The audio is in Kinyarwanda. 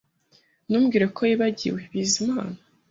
Ntumbwire ko wibagiwe Bizimana